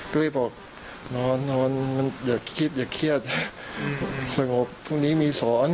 ก็เลยบอกนอนนอนอย่าคิดอย่าเครียดสงบพรุ่งนี้มีสอน